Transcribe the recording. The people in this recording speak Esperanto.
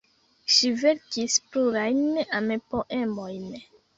Ŝi verkis plurajn am-poemojn.